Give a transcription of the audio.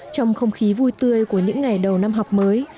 trong không khí vui tươi của những ngày đầu năm học mới